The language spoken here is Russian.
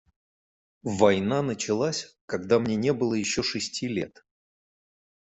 Война началась, когда мне не было еще шести лет.